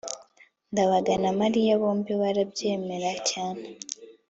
ndabaga na mariya bombi barabyemera cyane